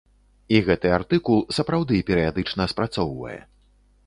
І гэты артыкул, сапраўды, перыядычна спрацоўвае.